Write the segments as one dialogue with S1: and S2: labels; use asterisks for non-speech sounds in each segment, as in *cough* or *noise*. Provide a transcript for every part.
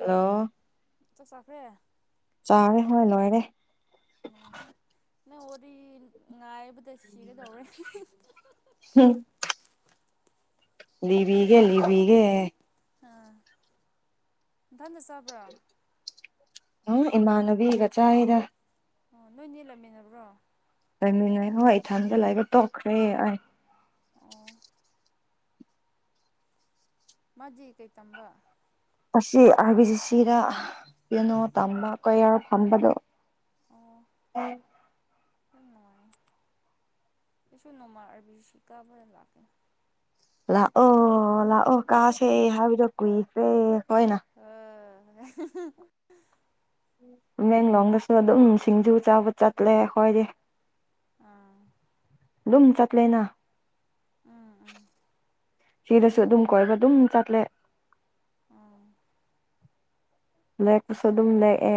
S1: ꯑ
S2: ꯆ ꯆꯈꯔꯦ
S1: ꯆꯥꯔꯦ ꯍꯣꯏ ꯂꯣꯏꯔꯦ
S2: ꯅ ꯑꯣꯗꯤ ꯉ
S1: ꯎꯝ ꯂꯤꯕꯤꯒꯦ ꯂꯤꯕꯤꯒ
S2: ꯑ ꯖ ꯆꯕ꯭ꯔ
S1: ꯎꯝ ꯏꯃꯥꯟꯅꯕꯤꯒ ꯆꯥꯏꯔꯤꯗ
S2: ꯑꯣ ꯅꯣꯏ ꯅꯤꯦꯜꯂꯝꯃꯤꯟꯅꯕ꯭ꯔꯣ
S1: ꯇꯃꯤꯉ ꯍꯣꯏ ꯏ ꯊꯟꯗ ꯂꯒ ꯇꯣꯛꯈ꯭ꯔꯦ ꯑꯩ
S2: ꯑꯣ ꯃꯖꯤ ꯀꯩ ꯇꯝꯕ
S1: ꯑꯁꯤ ꯑꯥꯔ ꯕꯤ ꯖꯤ ꯁꯤꯗ ꯀꯩꯅꯣ ꯇꯝꯕ ꯀꯌꯥꯔ ꯐꯝꯕꯗꯣ
S2: ꯑꯣ
S1: ꯑꯣ
S2: ꯌꯥꯝ ꯅꯨꯡꯉꯥꯏ ꯀꯩꯁꯨ ꯅꯅꯨꯡꯃꯥꯏ ꯑꯔꯕꯤꯁꯤꯀꯥꯕ ꯂꯥꯛꯀꯦ
S1: ꯂꯥꯛꯑꯣ ꯂꯥꯛꯑꯣ ꯀꯥꯥꯁꯦ ꯍꯕꯤꯗ ꯀꯨꯏꯁꯦ ꯍꯅ
S2: *inaudible*
S1: ꯇꯃꯦꯡꯂꯣꯡꯗꯁꯨ ꯑꯗꯨꯝ ꯁꯤꯡꯖꯨ ꯆꯥꯕ ꯆꯠꯂꯦ ꯑꯩꯈꯣꯏꯗꯤ
S2: ꯑꯥ
S1: ꯂꯨꯝꯝ ꯆꯄꯂꯅꯥ
S2: ꯎꯝ ꯎꯝ
S1: ꯁꯤꯗꯁꯨ ꯑꯗꯨꯝ ꯀꯣꯏꯕ ꯑꯗꯨꯝ ꯆꯠꯂꯦ ꯂꯦꯛꯄꯁꯨ ꯑꯗꯨꯝ ꯂꯦꯛꯑꯦ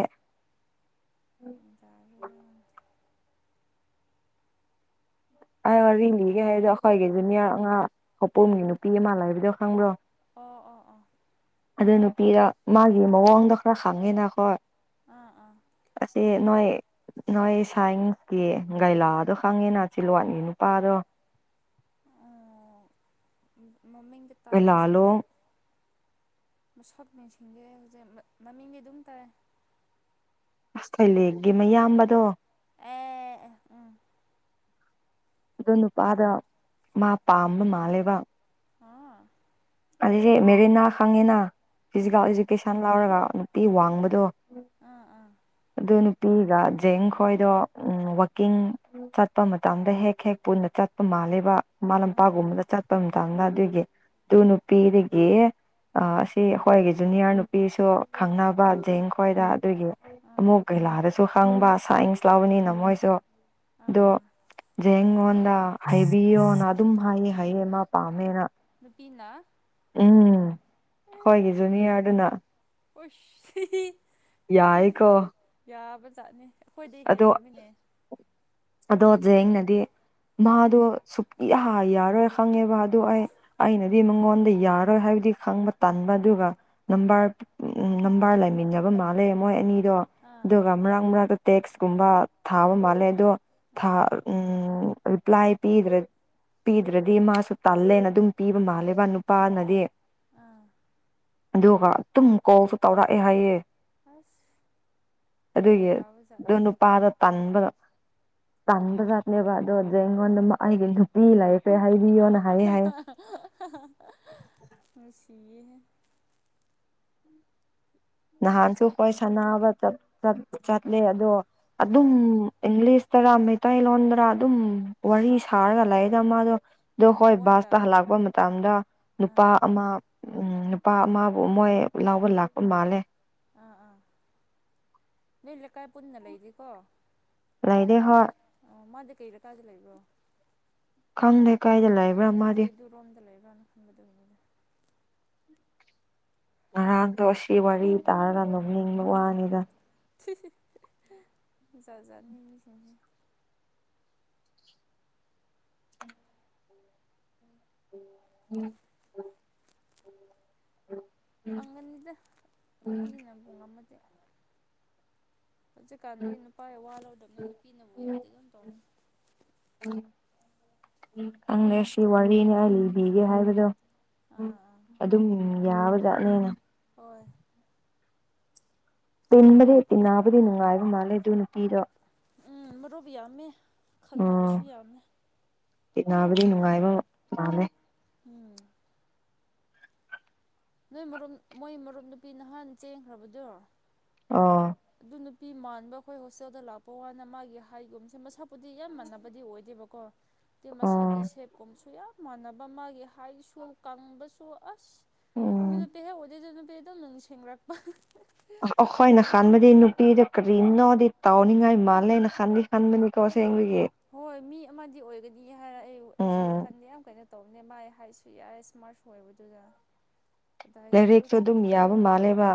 S2: ꯇꯒ
S1: ꯑꯩ ꯋꯥꯔꯤ ꯂꯤꯒꯦ ꯍꯥꯏꯗꯣ ꯑꯩꯈꯣꯏꯒꯤꯩꯁꯨ ꯃꯤꯌꯥ ꯉꯉꯥ ꯍꯄꯣꯝꯒꯤ ꯅꯨꯄꯤ ꯑꯃ ꯂꯩꯕꯗꯣ ꯈꯪꯕ꯭ꯔꯣ
S2: ꯑꯣ ꯑꯣ ꯑꯣ
S1: ꯑꯗꯨ ꯅꯨꯄꯤꯗ ꯃꯥꯒꯤ ꯃꯑꯣꯡꯗꯣ ꯈꯔ ꯈꯪꯉꯦꯅꯈꯣ
S2: ꯑꯥ ꯑꯥ
S1: ꯑꯁꯤꯁꯦ ꯅꯣꯏ ꯅꯣꯏ ꯁꯥꯏꯟꯁꯀꯤ ꯒꯥꯏꯂꯥꯗꯣ ꯈꯪꯉꯦꯅ ꯆꯤꯜꯂꯋꯥꯠꯅꯤ ꯅꯨꯄꯥꯗꯣ
S2: ꯃꯃꯤꯡꯒꯤ ꯇꯥꯏ ꯃꯁꯛꯇꯤ
S1: ꯒꯩꯂꯥꯂꯣꯡ
S2: ꯁꯞ ꯅꯤꯡꯁꯤꯡꯁꯦ ꯍꯧꯖꯤꯛ ꯃꯃꯤꯡꯗꯤ ꯑꯗꯨꯝ ꯇꯥꯏꯦ
S1: ꯑꯁ ꯊꯩꯂꯦꯛꯒꯤ ꯃꯌꯥꯝꯕꯗꯣ
S2: ꯑꯦ ꯑꯦ ꯎꯝ
S1: ꯑꯗꯣ ꯅꯨꯄꯥꯗ ꯃꯥ ꯄꯥꯝꯕ ꯃꯥꯜꯂꯦꯕ
S2: ꯑꯥ
S1: ꯑꯁꯦ ꯃꯦꯔꯤꯅꯥ ꯈꯪꯉꯤꯅ ꯐꯤꯖꯤꯀꯦꯜ
S2: ꯑꯥ
S1: ꯏꯗꯨꯀꯦꯁꯟ ꯂꯧꯔꯒ ꯅꯨꯡꯇꯤ ꯋꯥꯡꯕꯗꯣ
S2: ꯑꯥ ꯑꯥ
S1: ꯑꯗꯨ ꯅꯨꯄꯤꯒ ꯖꯦꯡ ꯈꯣꯏꯗꯣ ꯎ ꯋꯥꯋꯀꯤꯡ ꯆꯠꯄ ꯃꯇꯥꯡꯗ ꯍꯦꯛ ꯍꯦꯛ ꯄꯨꯟꯅ ꯆꯠꯄ ꯃꯥꯂꯦꯕ ꯃꯃꯥ
S2: ꯑꯥ ꯑꯥ
S1: ꯂꯝꯄꯥꯒꯨꯝꯕꯗ ꯆꯠꯄ ꯃꯇꯥꯡꯗ ꯑꯗꯨꯒꯤ ꯇꯅ ꯅꯨꯄꯤꯗꯒꯤ ꯑꯁꯤ ꯑꯩꯈꯣꯏꯒꯤ ꯖꯨꯅꯤꯌꯔ ꯅꯨꯄꯤꯁꯨ ꯈꯪꯅꯕ ꯖꯡ ꯈꯣꯏꯗ ꯑꯗꯨꯒꯤ
S2: ꯑꯥ
S1: ꯑꯃꯨꯛ ꯀꯩꯂꯥꯗꯁꯨ ꯍꯪꯕ ꯁꯥꯏꯟꯁ ꯂꯕꯅꯤꯅ ꯃꯣꯏꯁꯨ
S2: ꯑꯥ
S1: ꯑꯗꯨꯣ
S2: ꯑꯥ
S1: ꯖꯦꯉꯣꯟꯟ ꯍꯥꯏꯕꯤꯌꯣꯅ ꯑꯗꯨꯝ ꯍꯥꯏꯌꯦ ꯍꯥꯏꯌꯦ ꯃꯥ ꯄꯥꯝꯃꯦꯅ
S2: ꯅꯨꯄꯤꯡꯂ
S1: ꯎꯝ ꯍꯣꯏꯒꯤ ꯖꯨꯅꯤꯌꯔꯗꯨꯅ
S2: ꯑꯣꯁꯤ
S1: ꯌꯥꯏꯀꯣ
S2: ꯌꯥꯕ ꯆꯥꯠꯅꯤ ꯑꯩꯈꯣꯏꯗ ꯍꯦꯜꯂꯝꯃꯤꯅꯦ
S1: ꯑꯗꯣꯖꯦꯡꯅꯗꯤ
S2: ꯑꯥ
S1: ꯃꯥꯗꯨꯣ ꯏꯍꯥ ꯌꯥꯔꯣꯏ ꯈꯪꯉꯦꯕ ꯑꯗꯨ ꯑꯩ ꯑꯩꯅꯗꯤ ꯃꯉꯣꯟꯗ ꯌꯥꯔꯣꯏ ꯍꯥꯏꯕꯗꯤ ꯈꯪꯕ ꯇꯟꯥꯟꯕꯗꯨ ꯕꯥꯔ ꯎ ꯅꯕꯥꯔ ꯂꯩꯃꯤꯟꯅꯕ ꯃꯥꯜꯂꯦ ꯃꯣꯏ ꯑꯅꯤ ꯑꯣ
S2: ꯑꯥ
S1: ꯑꯗꯨꯒ ꯃꯔꯛ ꯃꯔꯛꯇ ꯇꯦꯛꯁꯀꯨꯝꯕ ꯊꯥꯕ ꯃꯥꯜꯂꯦ ꯑꯗꯣ ꯊ
S2: ꯑꯥ
S1: ꯎꯝ ꯔꯤꯞ꯭ꯂꯥꯏ ꯄꯤꯗ꯭ꯔꯦ ꯄꯤꯗ꯭ꯔꯗꯤ ꯃꯥꯁꯨ ꯇꯜꯂꯦꯅ ꯑꯗꯨꯝ ꯄꯤꯕ ꯃꯥꯜꯂꯦꯕ ꯅꯨꯄꯥꯅꯗꯤ
S2: ꯑꯥ
S1: ꯑꯗꯨꯒ ꯑꯗꯨꯝ ꯀꯣꯁꯨ ꯇꯧꯔꯛꯑꯦ ꯍꯥꯏꯌꯦꯦ
S2: ꯑꯁ
S1: ꯑꯗꯨꯒꯤ
S2: ꯌꯥꯎ
S1: ꯑꯗꯨ ꯅ ꯄꯔ ꯇꯟꯕ ꯇꯟꯕ ꯆꯠꯅꯦꯕ ꯑꯗꯨꯣꯗ ꯍꯣꯟꯅ
S2: ꯎꯝ
S1: ꯃꯥꯒꯤ ꯃꯤ ꯂꯥꯛꯑ ꯄꯦ
S2: *unintelligible*
S1: ꯅꯍꯥꯟꯁꯨ ꯍꯣꯏ ꯁꯥꯟꯅꯕ ꯆꯠꯂꯦ
S2: ꯑꯥ
S1: ꯑꯗꯣ ꯑꯗꯨꯝ
S2: ꯑꯥ
S1: ꯏꯪꯂꯤꯁ ꯇꯔꯥ ꯃꯩꯇꯩꯂꯣꯟꯗꯔ ꯑꯗꯨꯝ ꯋꯥꯔꯤ ꯁꯥꯔꯒ ꯂꯩꯗ ꯃꯥꯗꯣ ꯑꯗꯣ ꯍꯣꯏ
S2: ꯐꯣꯟꯗ
S1: ꯕꯥꯁꯇ ꯍꯜꯂꯛꯄ ꯃꯇꯝꯗ ꯅꯨꯄꯥ
S2: ꯑꯥ
S1: ꯑꯃ ꯎꯝ ꯅꯨꯄꯥ ꯑꯃꯕꯨ ꯃꯣꯏ ꯂꯥꯎꯕ ꯂꯥꯛꯄ ꯃꯥꯜꯂꯦ
S2: ꯑꯥ ꯑꯥ ꯅꯣꯏ ꯂꯩꯀꯥꯏ ꯄꯨꯟꯅ ꯂꯩꯔꯤꯀꯣ
S1: ꯂꯩꯥꯏꯗꯦ ꯍꯣ
S2: ꯑꯣ ꯃꯥꯗꯤ ꯀꯩꯗꯀꯥꯗ ꯂꯩꯕ꯭ꯔꯣ
S1: ꯈꯪꯗꯦ ꯀꯥꯏꯗ ꯂꯩꯕ꯭ꯔꯥ ꯃꯥꯗꯤ
S2: ꯔꯥꯟ ꯈꯟꯕꯗ ꯑꯣꯏꯅꯤ
S1: ꯉꯔꯥꯡꯥꯟꯗꯣ ꯑꯁꯤ ꯋꯥꯔꯤ ꯇꯥꯔꯒ ꯅꯣꯛꯅꯤꯡꯕ ꯋꯥꯅꯤꯗ
S2: ꯖꯥꯖꯅꯤꯡꯒꯤꯁꯤꯡꯤꯡꯦ
S1: ꯎꯝ ꯑꯣ
S2: ꯐꯪꯒꯅꯤꯗ ꯅꯨꯄꯤꯅꯕꯨꯨꯡ ꯉꯝꯃꯗꯦ ꯍꯧꯖꯤꯛꯀꯥꯟꯒꯤ ꯅꯨꯄꯥ ꯋꯥ ꯂꯧꯗꯕꯅꯤ ꯅꯨꯄꯤꯅꯕꯨ ꯌꯥꯗꯦ ꯑꯗꯨꯝ ꯇꯧꯅꯤ
S1: ꯑꯪꯒꯦꯁꯤ ꯋꯥꯔꯤꯅꯦ ꯂꯤꯕꯤꯒꯦ ꯍꯥꯏꯕꯗꯣ
S2: ꯑꯥ ꯑꯥ
S1: ꯑꯗꯨꯝ ꯌꯥꯕꯖꯠꯅꯦꯅ
S2: ꯍꯣꯏ
S1: ꯇꯝꯕꯗꯤ ꯑꯦꯠꯇ ꯅꯗꯤ ꯅꯥꯏꯕ ꯃꯥꯂꯦ ꯑꯗꯨꯅ ꯇꯤꯔꯣ
S2: ꯎꯝ ꯃꯔꯨꯞ ꯌꯥꯝꯃꯦ ꯈꯪꯅꯕꯁꯨ ꯌꯥꯝꯃꯦ
S1: ꯅꯥꯕꯨꯗꯤ ꯅꯨꯡꯉꯥꯏꯕ ꯃꯥꯃꯦ
S2: ꯎꯝ ꯅꯣꯏ ꯃꯔꯨꯞ ꯃꯣꯏ ꯃꯔꯨꯞ ꯅꯨꯄꯤ ꯅꯍꯥꯟ ꯆꯦꯟꯈ꯭ꯔꯕꯗꯣ
S1: ꯑꯣ
S2: ꯑꯗꯨ ꯅꯨꯄꯤ ꯃꯥꯟꯕ ꯑꯩꯈꯣꯏ ꯍꯣꯁꯇꯦꯜꯗ ꯂꯥꯛꯄ ꯋꯥꯅ ꯃꯥꯒꯤ ꯍꯥꯏꯒꯨꯝꯁꯦ ꯃꯁꯛ ꯄꯨꯗꯤ ꯌꯥꯝ ꯃꯥꯟꯅꯕꯗꯤ ꯑꯣꯏꯗꯦꯕꯀꯣ ꯑ
S1: ꯑꯣ
S2: ꯃꯁꯛꯀꯤ ꯁꯦꯞꯀꯨꯝꯁꯨ ꯌꯥꯝ ꯃꯥꯟꯅꯕ ꯃꯥꯒꯤ ꯍꯥꯏꯁꯨ ꯀꯪꯕꯁꯨ ꯑꯁ ꯑꯗꯨ
S1: ꯎꯝ
S2: ꯅꯨ ꯄꯦꯍꯦꯛ ꯑꯣꯗꯩꯁꯨ ꯅꯨꯄꯤꯦ ꯑꯗꯨꯣ ꯅꯪ ꯁꯦꯡꯒꯔꯛꯄ
S1: ꯑꯩꯈꯣꯏꯅ ꯈꯟꯕꯗꯤ ꯅꯨꯄꯤꯗ ꯀꯔꯤꯅꯣꯗꯤ ꯇꯥꯎꯅꯤꯡꯉꯥꯏ ꯃꯥꯜꯂꯦꯩꯅ ꯈꯟꯗꯤ ꯈꯟꯕꯅꯤꯀꯣ ꯁꯦꯡ
S2: ꯍꯣꯏ ꯃꯤ ꯑꯃꯗꯤ ꯑꯣꯏꯒꯅꯤ ꯍꯥꯏꯔ ꯑꯩ ꯑꯩꯁꯨ
S1: ꯎꯝ
S2: ꯋꯥꯈꯜꯗ ꯌꯥꯝ ꯀꯩꯅꯣ ꯇꯧꯅꯦ ꯃꯥꯥꯏ ꯍꯥꯏꯁꯨ ꯌꯥꯏꯦ ꯏꯁꯃꯥꯔꯠ ꯁꯣꯏꯕꯗꯨꯗ
S1: ꯂꯥꯏꯔꯛꯁꯨ ꯑꯗꯨꯝ ꯌꯥꯕ ꯃꯥꯜꯂꯦꯕ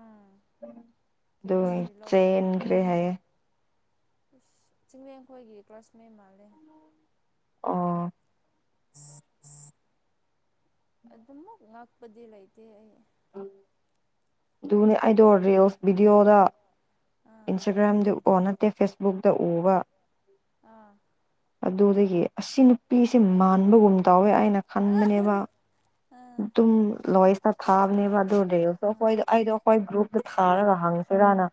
S2: ꯎꯝ
S1: ꯑꯗꯨ
S2: ꯀꯦꯃꯤꯁꯇ꯭ꯔꯤ
S1: ꯆꯟꯈ꯭ꯔꯦ ꯍꯥꯏꯌꯦ
S2: ꯑ ꯆꯤꯡꯡꯂꯦꯝꯈꯣꯏꯒꯤ ꯀ꯭ꯂꯥꯁꯃꯦꯠ ꯃꯥꯜꯂꯦ
S1: ꯑ
S2: ꯑꯗꯨꯃ ꯉꯥꯛꯄꯗꯦꯂꯥꯏꯇ
S1: ꯎ ꯑꯗꯨꯅꯦ ꯑꯩꯗꯣ ꯔꯤꯜꯁ ꯚꯤꯗꯤꯑꯣꯗ
S2: ꯑꯥ
S1: ꯏꯟꯁꯇꯥꯒ꯭ꯔꯥꯝꯗꯨ ꯑꯣ ꯅ ꯅꯠꯇꯦ ꯐꯦꯁꯕꯨꯛꯇꯛꯇ ꯎꯕ
S2: ꯑꯥ
S1: ꯑꯗꯨꯗꯒꯤ ꯑꯁꯤ ꯅꯨꯄꯤꯁꯦ ꯃꯥꯟꯕꯒꯨꯝ ꯇꯧꯋꯦ ꯑꯩꯅ
S2: ꯑꯥ
S1: ꯈꯟꯕꯅꯦꯕ
S2: ꯑꯥ
S1: ꯑꯗꯨꯝ ꯂꯣꯏꯁꯇ ꯊꯥꯕꯅꯦꯕ ꯑꯗꯨꯔ
S2: ꯑꯥ
S1: ꯍꯈꯣꯏꯗ ꯑꯩꯗꯣ ꯑꯩꯈꯣꯏ ꯒ꯭ꯔꯨꯞꯇ ꯊꯥꯔꯒ ꯍꯪꯁꯤꯔꯅ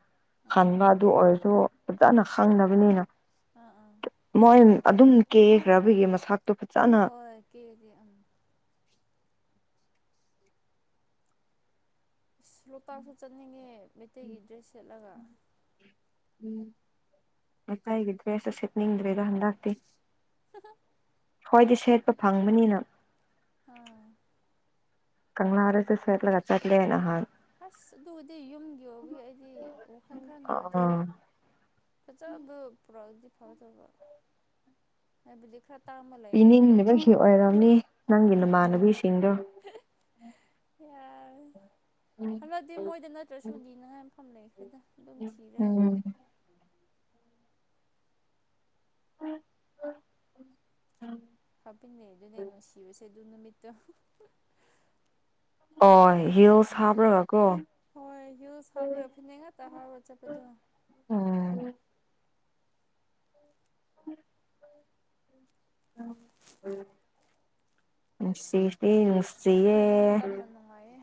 S2: ꯑꯥ
S1: ꯈꯟꯕ ꯑꯗꯨ ꯑꯣꯏꯔꯁꯨ ꯐꯖꯅ ꯈꯪꯅꯕꯅꯤꯅ
S2: ꯑꯥ ꯑꯥ
S1: ꯃꯣꯏ ꯑꯗꯨꯝ ꯀꯦꯈ꯭ꯔꯕꯒꯤ ꯃꯁꯥ
S2: ꯍꯣꯏ ꯀꯂ ꯏꯁ ꯂꯣꯛꯇꯥꯛꯁꯨ ꯆꯠꯅꯤꯡꯉꯦ ꯃꯩꯇꯩꯒꯤ ꯗ꯭ꯔꯦꯁ ꯁꯦꯠꯂꯒ
S1: ꯎꯝ ꯃꯠꯇ ꯍꯒꯗ꯭ꯔꯦ ꯁꯁꯦꯠꯅꯤꯗ꯭ꯔꯦꯒ ꯍꯟꯗꯥꯇ
S2: *unintelligible* *inaudible*
S1: ꯍꯣꯏꯗꯤ ꯁꯦꯠꯄ ꯐꯪꯕꯅꯤꯅ
S2: ꯑꯥ
S1: ꯀꯪꯅꯥ ꯋꯥꯔ ꯆ ꯁꯠꯂ ꯀꯆ ꯂꯩ ꯅꯍꯥꯟ
S2: ꯑꯁ ꯑꯗꯨꯕꯨꯗꯤ ꯌꯨꯝꯒꯤ ꯑꯣꯏꯕꯒꯤ ꯑꯩꯗꯤ ꯋꯥꯈꯜ ꯈꯔ ꯅꯨꯡꯉꯥꯏꯇꯣꯏꯗ
S1: ꯑꯥ
S2: ꯆ ꯄꯨꯔꯣ ꯐ ꯆꯕꯨꯗꯤ ꯈꯔ ꯇꯥꯡꯕ ꯂꯩꯅ
S1: ꯏꯅꯤꯡꯕꯒꯤ ꯑꯣꯏꯔꯝꯅꯤ ꯅꯪꯒꯤ ꯅꯃꯥꯟꯅꯕꯤꯁꯤꯡꯗꯣ
S2: ꯌꯥ ꯍꯟꯂꯛꯇꯦ ꯃꯣꯏꯗ ꯅꯠꯇ꯭ꯔꯁꯨꯨꯅꯤꯅꯉꯥꯏ ꯃꯐꯝ ꯂꯩ ꯈ꯭ꯔꯗ ꯑꯗꯨꯝ ꯊꯤꯔꯒ
S1: ꯎꯝ
S2: ꯂꯣꯏꯔꯦ ꯍꯥꯄꯤꯟꯅꯦ ꯑꯗꯨꯅꯦ ꯅꯨꯡꯁꯤꯕꯁꯦ ꯑꯗꯨ ꯅꯨꯃꯤꯠꯇꯣ
S1: ꯑꯣ ꯍꯤ ꯑꯣ ꯆꯥꯕ꯭ꯔꯕꯥ
S2: ꯍꯣꯏ ꯌꯨ ꯍꯥꯔ ꯐꯤꯅꯦꯉ ꯇ ꯍꯥꯔ ꯆꯄꯗ
S1: ꯎꯝ ꯎꯝ ꯁꯤ
S2: ꯑꯗꯨꯒꯨꯝꯕ
S1: ꯁꯤꯌꯦꯌꯦ
S2: ꯃꯇꯝꯅ ꯅꯨꯡꯉꯥꯏꯌꯦ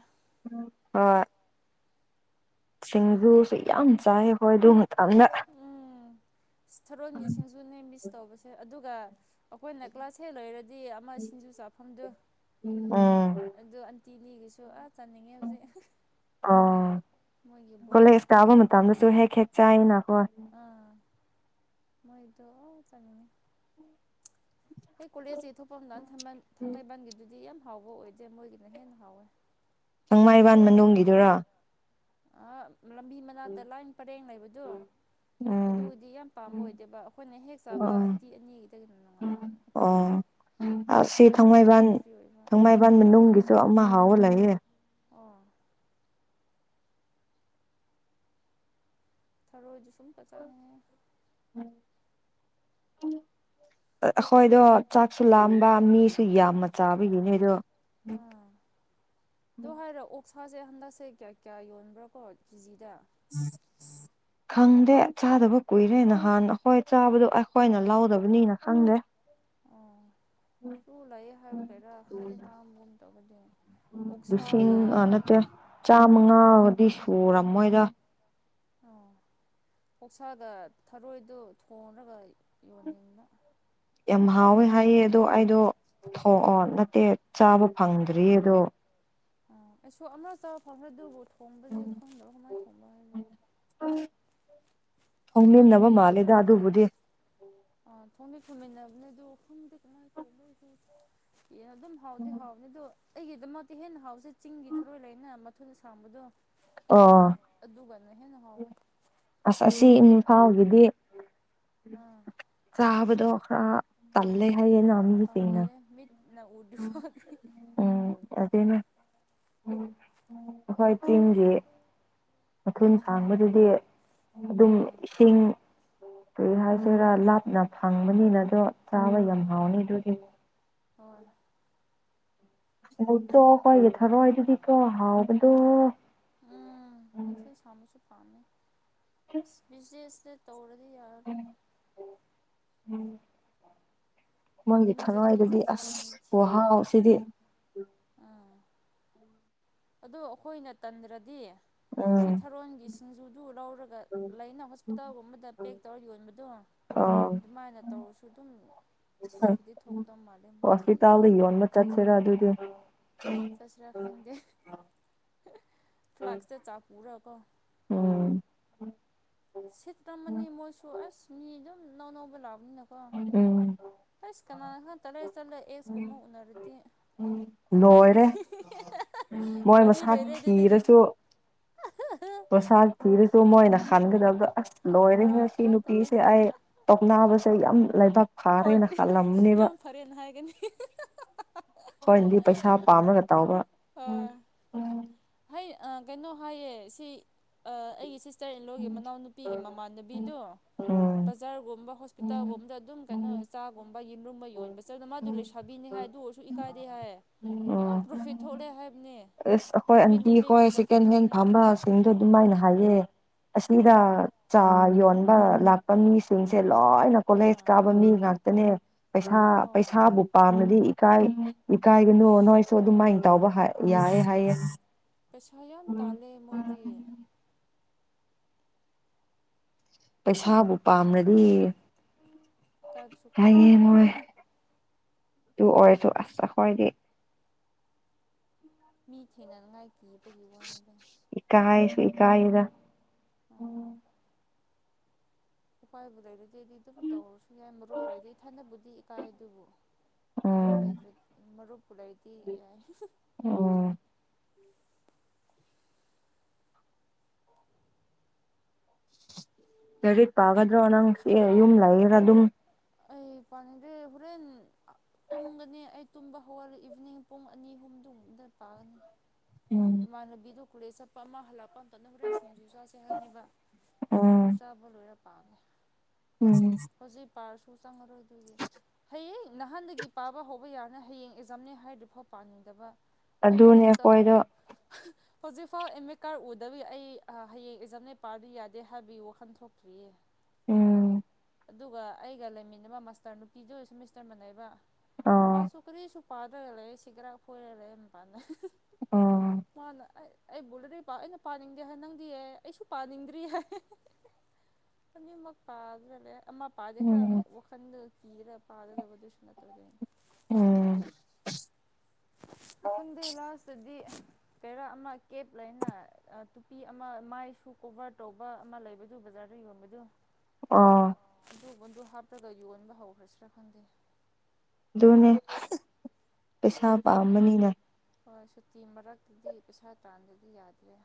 S1: ꯑꯣ ꯁꯤꯡꯗꯨꯨꯁꯨ ꯌꯥꯝ ꯆꯥꯏ ꯍꯣꯏ ꯑꯗꯨ ꯃꯇꯝꯗ
S2: ꯊꯔꯣꯟꯒꯤꯁꯤꯡꯁꯨꯅꯦ ꯃꯤꯁ ꯇꯧꯕꯁꯦ ꯑꯗꯨꯒ ꯑꯩꯈꯣꯏꯅ ꯀ꯭ꯂꯥꯁ ꯍꯦ ꯂꯩꯔꯗꯤ ꯑꯗꯨꯗꯤ ꯑꯃ ꯁꯤꯡꯖꯨ ꯆꯥꯐꯝꯗꯨꯣ
S1: ꯎꯝ
S2: ꯑꯗꯨ ꯑꯟꯇꯤꯅꯤꯒꯤꯁꯨ ꯑꯁ ꯆꯟꯅꯤꯡꯉꯦ ꯍꯧꯖꯤꯛ
S1: ꯑꯣ
S2: ꯃꯣꯏꯒꯤ ꯕꯣꯔꯥ
S1: ꯀꯣꯂꯦꯖ ꯀꯥꯕ
S2: ꯑꯗꯨꯒ
S1: ꯃꯇꯝꯗꯁꯨ ꯍꯦꯛ ꯍꯦꯛ ꯆꯥꯏꯅꯀꯣ
S2: ꯑꯥ ꯃꯣꯏꯗ ꯆꯉꯅꯦ ꯑꯩ ꯀꯣꯂꯦꯖꯀꯤ ꯊꯣꯛꯄꯝꯗꯅ ꯊꯥꯡꯃꯩꯕꯟꯒꯤꯗꯨꯗꯤ ꯌꯥꯝ ꯍꯥꯎꯕ ꯑꯣꯏꯗ꯭ꯔꯦ ꯃꯣꯏꯒꯤꯅ ꯍꯦꯟꯅ ꯍꯥꯎꯋꯦ
S1: ꯊꯥꯡꯡꯃꯩꯕꯥꯟ ꯃꯅꯨꯡꯒꯤꯗꯨꯔ
S2: ꯑꯥ ꯂꯝꯕꯤ ꯃꯅꯥꯛꯇ ꯂꯥꯏꯅ ꯄꯔꯦꯡ ꯂꯩꯕꯗꯣ
S1: ꯎꯝ
S2: ꯑꯗꯨꯕꯨꯗꯤ ꯌꯥꯝ ꯄꯥꯝꯕ ꯑꯣꯏꯗꯦꯕ ꯑꯩꯈꯣꯏꯅ ꯍꯦꯛ ꯆꯥꯕ
S1: ꯑꯣ
S2: ꯑꯟꯇꯤ ꯑꯅꯤꯒꯤꯗ ꯑꯗꯨꯝ ꯅꯨꯡꯉꯥꯏ ꯍꯥꯏꯕ *unintelligible* *inaudible*
S1: ꯑꯁꯤ
S2: ꯃꯤꯁꯨ
S1: ꯑꯁꯤ ꯊꯥꯡꯃꯩꯕꯥꯟ
S2: ꯌꯥꯝꯗꯕꯒꯤ ꯐ꯭ꯔꯤ ꯑꯣꯏꯕ
S1: ꯊꯥꯡꯃꯩꯕꯟ ꯃꯅꯨꯡꯒꯤꯁꯨ ꯑꯃ ꯍꯥꯎꯋ ꯂꯩꯌꯦꯦ
S2: ꯑꯣ ꯊꯔꯣꯖ ꯁꯨꯝ ꯀ ꯆꯅꯦ
S1: ꯎꯝ ꯎ ꯑꯩꯈꯣꯏꯗꯣ ꯆꯥꯛꯁꯨ ꯂꯥꯝꯕ ꯃꯤꯁꯨ ꯌꯥꯝꯅ ꯆꯥꯕꯒꯤꯅꯦ ꯑꯗꯣ
S2: ꯎꯝ ꯗꯍꯔ ꯁꯥꯁꯦ ꯍꯟꯗꯛꯁꯦ ꯀꯌꯥ ꯀꯌꯥ ꯌꯣꯟꯕ꯭ꯔꯥ ꯀꯣ ꯀꯦꯖꯤꯗ
S1: ꯎꯝ ꯈꯪꯗꯦ ꯆꯥꯗꯕ ꯀꯨꯏꯔꯦ ꯅꯍꯥꯟ ꯑꯩꯈꯣꯏ ꯆꯥꯕꯗꯣ ꯑꯩꯈꯣꯏꯅ ꯂꯧꯥꯎꯗꯕꯅꯤꯅ ꯈꯪꯗꯦ
S2: ꯁꯨ ꯂꯩꯌꯦꯦ ꯍꯥꯏꯔꯨꯒꯩꯔꯥ ꯈꯔꯗꯤ ꯉꯥꯡꯕꯒꯨꯝ ꯇꯧꯒꯗꯤ
S1: ꯂꯤꯁꯤꯡ ꯅꯠꯇ꯭ꯔꯦ ꯆꯥꯃꯉꯥꯗꯤ ꯁꯨꯔꯝꯃꯣꯏꯗ
S2: ꯑꯣ ꯄꯧꯁꯥꯒ ꯊꯔꯣꯏꯗꯨ ꯊꯣꯡꯉꯒ ꯌꯣꯟꯅꯤꯡꯅ
S1: ꯌꯥꯝ ꯍꯥꯎꯋꯦ ꯍꯥꯏꯌꯦ ꯑꯗꯣ ꯑꯩꯗꯣ
S2: ꯑꯥ
S1: ꯊꯣꯛꯑꯣ ꯅꯠꯇꯦ ꯆꯥꯕ ꯐꯪꯗ꯭ꯔꯤ ꯑꯗꯣ
S2: ꯑꯩꯁꯨ ꯑꯃ ꯆ ꯐꯗ ꯊꯣꯡꯕꯁꯦ ꯈꯪꯗ꯭ꯔ ꯀꯃꯥꯏ ꯊꯣꯡꯕ ꯍꯥꯏ
S1: ꯍ
S2: ꯃꯅꯕꯤꯁꯨꯗꯤ ꯈꯥ ꯂ ꯃꯒꯦꯔ ꯑ ꯈꯣꯡꯗꯤ ꯈꯨꯝꯃꯤꯟꯅꯕꯅꯦ ꯑꯗꯨ ꯈꯣꯡꯗꯤ ꯀꯃꯥꯏꯕꯣꯏ ꯑꯗꯨꯝ ꯍꯥꯎꯗꯤ ꯍꯥꯎꯕꯅꯤ ꯑꯗꯨ ꯑꯩꯒꯤꯗꯃꯛꯇꯤ ꯍꯦꯟꯅ ꯍꯥꯎꯁꯦ ꯆꯤꯡꯒꯤ ꯊꯔꯣꯏ ꯂꯩꯅ ꯃꯊꯣꯏꯗ ꯁꯥꯡꯕꯗꯣ
S1: ꯑꯣ
S2: ꯑꯗꯨꯒꯅ ꯍꯦꯟꯅ ꯍꯥꯎꯋꯦ
S1: ꯑꯁ ꯑꯁꯤ ꯏꯨꯡꯐꯥꯎꯒꯤꯗꯤ
S2: ꯑꯥ
S1: ꯆꯥꯕꯗ ꯇꯂꯦ ꯍꯥꯏꯅꯃꯤꯁꯨ ꯆꯩꯅ
S2: ꯅ ꯎꯗꯤ ꯐꯅꯤ
S1: ꯑꯗꯨꯅꯦ ꯍꯣꯏ ꯇꯤꯟꯁꯦ ꯃꯊꯨꯝ ꯁꯥꯡꯕꯗꯨꯗꯤ ꯑꯗꯨꯝ
S2: ꯑꯥ
S1: ꯏꯁꯤꯡ ꯀꯔꯤ ꯍꯥꯏꯁꯤꯔꯥ ꯂꯥꯞꯅ ꯐꯪꯕꯅꯤꯅ ꯑꯗꯣ ꯆꯕꯝ ꯍꯅꯤ ꯑꯗꯨꯗꯤ
S2: ꯑꯣ
S1: ꯃ ꯇꯣ ꯀꯣꯏꯒꯦ ꯊꯔꯣꯏ ꯑꯩꯗꯨꯗꯤ ꯇꯍꯥꯎ ꯀꯣ
S2: ꯎꯝ ꯃ ꯁꯥꯕꯁꯨ ꯄꯥꯝꯃꯦꯕꯤꯅꯦ ꯇꯧꯔ ꯗꯤ ꯌꯥꯔ
S1: ꯎꯝ ꯃꯣꯏꯒꯤ
S2: ꯑꯗꯤꯝ
S1: ꯊꯋꯥꯏꯗꯗꯤ
S2: ꯖꯥꯇꯤꯗꯁꯦ ꯃꯤ
S1: ꯑꯁ
S2: ꯊꯤꯕ ꯌꯥꯔꯔꯣꯏ
S1: ꯍꯥꯎꯁꯤꯗꯤ
S2: ꯑꯥ ꯑꯗꯣ ꯑꯩꯈꯣꯏꯅ ꯇꯟꯗ꯭ꯔꯗꯤ
S1: ꯎꯝ
S2: ꯁꯤ ꯊꯥꯔꯣꯟꯒꯤ ꯁꯤꯡꯖꯨꯗꯨ ꯂꯧꯔꯒ ꯂꯩꯅ ꯍꯣꯁꯄꯤꯇꯥꯜꯒꯨꯝꯕꯗ ꯄꯦꯛ ꯇꯧꯔ ꯌꯣꯟꯕꯗꯣ
S1: ꯑꯣ
S2: ꯑꯗꯨꯃꯥꯏꯅ ꯇꯧꯔꯁꯨ ꯑꯗꯨꯝ ꯄ꯭ꯔꯣꯐꯤꯠꯇꯤ ꯊꯣꯛꯀꯗꯧ ꯃꯥꯜꯂꯦ ꯃꯣꯏꯗꯒꯤꯁꯨ
S1: ꯍꯣꯁꯄꯤꯇꯥꯜꯗ ꯌꯣꯟꯕ ꯆꯠꯁꯤꯔꯥ ꯑꯗꯨꯗꯤ
S2: ꯆꯠꯁꯤꯔꯥ ꯈꯪꯗꯦ ꯐ꯭ꯂꯥꯛꯁꯇ ꯆꯥꯄꯔ ꯀꯣ
S1: ꯎꯝ
S2: ꯁꯤꯠꯇꯃꯅꯤ ꯃꯣꯏꯁꯨ ꯑꯁ ꯃꯤ ꯑꯗꯨꯝ ꯅꯧ ꯅꯧꯕ ꯂꯥꯛꯑꯣ
S1: ꯎꯝ
S2: ꯅꯀꯣꯁ ꯀꯅꯥꯅꯣ ꯈ ꯇꯠꯂ ꯆꯠꯂ ꯑꯦꯁꯀꯨꯝꯕ ꯎꯅꯔꯗꯤ
S1: ꯂꯣꯏꯔꯦ
S2: ꯀꯥꯏꯒꯅꯤ
S1: ꯃꯣꯏ ꯃꯁꯥꯛ ꯊꯤꯔꯁꯨ ꯃꯁꯥꯛ ꯊꯤꯔꯁꯨ ꯃꯣꯏꯅ ꯍ ꯂꯕ
S2: ꯍꯣꯏ
S1: ꯂꯣꯏꯔꯤꯉ ꯁꯤ
S2: ꯑꯥ ꯇꯜꯂꯦ
S1: ꯅꯨꯄꯤꯁꯦ ꯑꯩ ꯇꯧꯅꯥꯕꯁꯦ ꯌꯥꯝ ꯂꯩꯕꯥꯛ
S2: ꯍꯣꯏ
S1: ꯐꯥꯔꯦꯅ ꯈꯜꯂꯝꯕꯅꯦꯕ
S2: ꯌꯥꯝ ꯐꯔꯦꯅ ꯍꯥꯏꯒꯅꯤ
S1: ꯍꯣꯏꯗꯤ ꯄꯩꯁꯥ ꯄꯥꯝꯃꯒ ꯇꯥꯎꯕ
S2: ꯑꯩ ꯀꯩꯅꯣ ꯍꯥꯏꯌꯦ ꯁꯤ ꯑꯩꯒꯤ ꯁꯤ ꯆꯩꯠ ꯏꯂꯣꯏꯒꯤ ꯃꯅꯥꯎꯅꯨꯄꯤꯒꯤ ꯃꯃꯥꯟꯅꯕꯤꯗꯨ
S1: ꯎꯝ
S2: ꯕꯖꯥꯔꯒꯨꯝꯕ ꯍꯣꯁꯄꯤꯇꯥꯜꯒꯨꯝꯕꯗ ꯑꯗꯨꯝ ꯀꯩꯅꯣ ꯆꯥꯒꯨꯝꯕ ꯌꯦꯔꯨꯝꯕ ꯌꯣꯟꯕ ꯆꯠꯗ ꯃꯥꯗꯨ ꯂꯩꯁꯥꯕꯤꯅꯤ ꯍꯥꯏ ꯁꯨ ꯏꯀꯥꯏꯗꯦ ꯍꯥꯏ ꯀꯌꯥ
S1: ꯎꯝ
S2: ꯄ꯭ꯔꯣꯐꯤꯠ ꯊ ꯍꯥꯏ
S1: ꯑꯁ ꯑꯩꯈꯣꯏ ꯑꯟꯇꯤ ꯍꯣꯏ ꯁꯦꯀꯦꯟ ꯍꯦꯟ
S2: ꯊꯣꯛꯄꯅꯤꯅꯀꯣ
S1: ꯐꯥꯝꯕꯁꯤꯡꯗꯣ ꯑꯗꯨꯃꯥꯏꯅ ꯍꯥꯏꯌꯦ ꯑꯁꯤꯗ
S2: ꯑꯥ
S1: ꯆꯥ ꯌꯣꯟ ꯂꯥꯛꯄ ꯃꯤꯁꯤꯡꯁꯦ ꯂꯣꯏꯅ ꯀꯣꯂꯦꯖ
S2: ꯑꯥ
S1: ꯀꯥꯕ ꯃꯤ ꯉꯥꯛꯇꯅꯦ ꯄꯩꯁꯥ
S2: ꯑꯥ
S1: ꯄꯩꯁꯥꯕꯨ ꯄꯥꯝꯅꯗꯤ ꯏꯀꯥꯏ ꯏꯀꯥꯏꯒꯅꯨ
S2: ꯑꯁ
S1: ꯅꯣꯏꯁꯨ
S2: ꯍꯣꯏ
S1: ꯑꯗꯨꯃꯥꯏꯅ ꯇꯥꯎꯕ ꯍꯥꯏ ꯌꯥꯔꯦ ꯍꯥꯏꯌꯦꯌꯦ
S2: ꯄꯩꯁꯥ ꯌꯥꯝ ꯇꯥꯂꯦ ꯃꯣꯏꯗꯤ
S1: ꯄꯩꯁꯥꯕꯨ ꯄꯥꯝꯅꯗꯤ
S2: ꯀꯥꯞꯁꯨꯈꯥꯟꯗ
S1: ꯇꯨꯡ ꯑꯣꯏꯔꯁꯨ ꯑꯁꯁ ꯈꯗ
S2: ꯃꯤ ꯊꯦꯡꯅꯅꯉꯥꯏ ꯀꯤꯕꯒꯤ ꯋꯥꯅꯤ ꯑꯗꯨ
S1: ꯊꯀꯥꯗ
S2: ꯎꯝ ꯎꯄꯥꯏꯕꯨ ꯂꯩꯔꯗꯤꯗꯤ ꯑꯗꯨꯝ ꯇꯧꯔꯁꯨ ꯌꯥꯏ ꯃꯔꯨꯞ ꯂꯩꯗꯤ ꯏ ꯊꯟꯗꯕꯨꯗꯤ ꯏꯀꯥꯏ ꯑꯗꯨꯕꯨ ꯃꯔꯨꯞ
S1: ꯎꯝ
S2: ꯂꯩꯇ꯭ꯔ ꯃꯔꯨꯞ ꯂꯩꯗꯤ ꯌꯥꯏ
S1: ꯎꯝ ꯔꯦꯔꯤꯠ ꯄꯥꯒꯗ꯭ꯔꯣ ꯅꯪ ꯌꯨꯝ ꯂꯩꯔ ꯑꯗꯨꯝ
S2: ꯑꯩ ꯄꯅꯤꯗ ꯍꯣꯔꯦꯟ ꯇꯨꯝꯒꯅꯤ ꯑꯩ ꯇꯨꯝꯕ ꯍꯧꯒꯜꯂꯦ ꯏꯚꯤꯅꯤꯡ ꯄꯨꯡ ꯑꯅꯤ ꯑꯍꯨꯝꯗꯗ
S1: ꯎꯝ
S2: ꯏꯃꯥ ꯅꯕꯤꯗ ꯀꯂꯦꯁ ꯄꯃꯥ ꯍꯥꯂ ꯄꯝꯇꯅ ꯍꯣꯔꯦꯟ ꯁꯤꯡꯖꯨ ꯆꯥꯥꯁꯦ ꯍꯪꯅꯤꯕ ꯁꯤꯡꯖꯨ
S1: ꯎꯝ
S2: ꯆꯥꯕ ꯂꯣꯏꯔꯞ
S1: ꯎꯝ
S2: ꯄ ꯁꯨꯁ ꯑꯃꯔ ꯑꯣꯏꯗꯨꯒꯤ ꯍꯌꯦꯡ ꯅꯍꯥꯟꯗꯒꯤ ꯄꯥꯕ ꯍꯧꯕ ꯌꯥꯅ ꯍꯌꯦꯡ ꯑꯦꯛꯖꯥꯝꯅꯦ ꯍꯥꯏꯗꯨꯐꯥꯎ ꯄꯥꯅꯤꯡꯗꯕ ꯑꯗꯨꯏ
S1: ꯑꯗꯨꯅꯦ
S2: ꯃꯊꯛꯇ
S1: ꯑꯩꯈꯣꯏꯗꯣ
S2: ꯍꯧꯖꯤꯛꯐꯥꯎ ꯑꯦꯝ ꯑꯦ ꯀꯥꯔ ꯎꯗꯕꯤ ꯑꯩ ꯍꯌꯦꯡ ꯑꯦꯛꯖꯥꯝꯅ ꯄꯥꯔꯗꯤ ꯌꯥꯗꯦ ꯍꯥꯏꯕꯒꯤ ꯋꯥꯈꯟ ꯊꯣꯛꯇ꯭ꯔꯤꯌꯦ
S1: ꯎꯝ
S2: ꯑꯗꯨꯒ ꯑꯩꯒ ꯂꯩꯃꯤꯟꯅꯕ ꯃꯥꯁꯇꯔ ꯅꯨꯄꯤꯗꯨ ꯑꯣꯏ ꯁꯦꯃꯤꯁꯇꯔ ꯃꯅꯩꯕ
S1: ꯑꯣ
S2: ꯃꯥꯁꯨ ꯀꯔꯤ ꯄꯥꯗ ꯂꯩꯦ ꯁꯤꯒꯔ ꯀꯣꯏꯔ ꯂꯩꯦ ꯄꯥꯟꯅꯦ
S1: ꯑꯣ
S2: ꯃꯥꯅ ꯑꯩ ꯕꯨꯜꯂꯗꯤꯗꯤ ꯑꯩꯅ ꯄꯥꯅꯤꯡꯗꯦ ꯍꯥꯏ ꯅꯪꯗꯤ ꯑꯦ ꯑꯩꯁꯨ ꯄꯥꯅꯤꯡꯗ꯭ꯔꯤ ꯍꯥꯏ ꯑ ꯃ ꯄꯥꯁꯂ ꯄꯥꯖ
S1: ꯎꯝ
S2: ꯋꯥꯈꯟꯗ ꯀꯤꯔ ꯄꯥꯗꯗꯗꯨꯠꯇ ꯍꯗ ꯂꯥꯁꯗꯤ ꯀꯔ ꯑꯃ ꯀꯦꯞ ꯂꯩꯅ ꯇꯨꯄꯤ ꯑꯃ ꯃꯥꯏꯁꯨ ꯀꯣꯚꯔ ꯇꯧꯕ ꯑꯃ ꯂꯩꯕꯗꯨ ꯖꯒꯕꯤꯗꯨ
S1: ꯑꯥ
S2: ꯕꯣꯟꯗꯨ ꯍꯥꯞꯇ꯭ꯔꯒ ꯌꯣꯟꯕ ꯍꯧꯈ꯭ꯔꯁꯤꯔ ꯈꯪꯗꯦ
S1: ꯑꯗꯨꯅꯦ ꯄꯩꯁꯥ ꯄꯥꯝꯕꯅꯤꯅ
S2: ꯍꯣꯏ ꯁꯨꯇꯤ ꯃꯔꯛꯇꯗꯤ ꯄꯩꯁꯥ ꯇ꯭ꯔꯥꯟꯗꯗꯤ ꯌꯥꯗ꯭ꯔꯦ